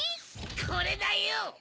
これだよ！